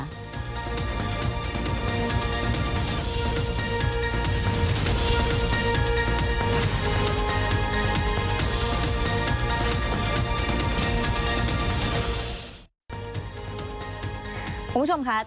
คุณผู้ชมคะ